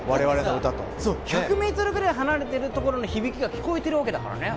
１００ｍくらい離れてるところの響きが聞こえてるわけだからね